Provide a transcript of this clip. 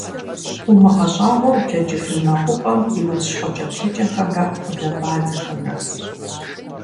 УмыгъэщӀагъуэу ублэкӀыфын мэкъупӀэм и удз щхъуэкӀэплъыкӀэхэмрэ гъудэбадзэхэмрэ!